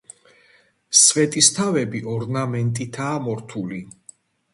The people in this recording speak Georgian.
სვეტისთავები ორნამენტითაა მორთული.